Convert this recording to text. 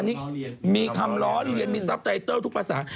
มีคำล้อเรียนมีคำล้อเรียนมีซับไตเตอร์ทุกภาษา